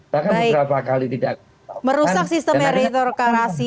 bahkan beberapa kali tidak